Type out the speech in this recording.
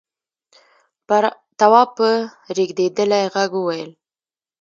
تواب په رېږديدلي غږ وويل: